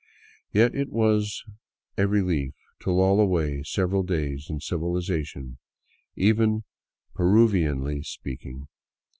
Yet it was a relief to loll away several days in civilization, even Peruvianly speaking.